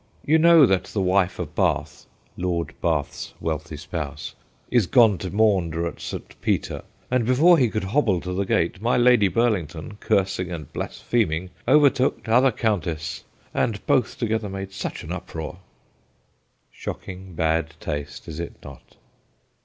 ' You know that the wife of Bath ' Lord Bath's wealthy spouse 'is gone to maunder at St. Peter, and before he could hobble to the gate, my Lady Burlington, cursing and blaspheming, overtook t'other Countess, and both together made such an uproar ...' Shocking bad taste, is it not